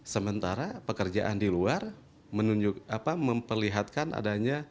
sementara pekerjaan di luar memperlihatkan adanya